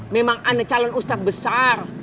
memang ada calon ustadz besar